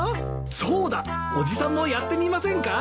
そうだ伯父さんもやってみませんか？